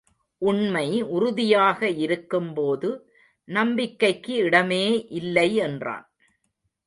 உண்மை உறுதியாக இருக்கும் போது நம்பிக்கைக்கு இடமே இல்லை என்றான்.